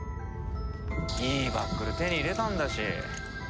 いいバックル手に入れたんだし。